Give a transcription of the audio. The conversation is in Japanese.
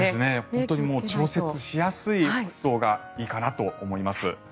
本当に調節しやすい服装がいいかなと思います。